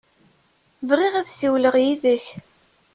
Bɣiɣ ad ssiwleɣ yid-k.